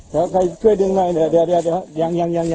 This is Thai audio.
ที่เห็นอีกนะคะหรอ